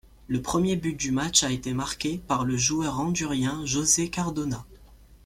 Le premier but du match a été marqué par le joueur hondurien José Cardona.